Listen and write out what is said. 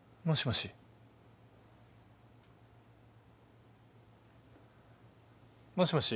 もしもし？